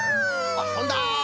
あっとんだ！